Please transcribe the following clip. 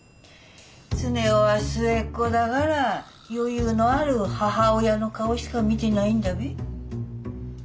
常雄は末っ子だから余裕のある母親の顔しか見てないんだべ。